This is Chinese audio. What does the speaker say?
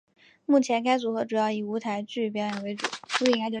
目前该组合主要以舞台剧表演为主。